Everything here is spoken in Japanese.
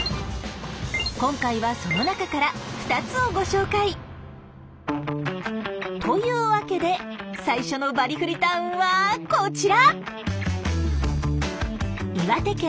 今回はその中から２つをご紹介。というわけで最初のバリフリ・タウンはこちら！